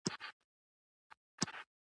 دښتې د ځانګړې جغرافیې استازیتوب کوي.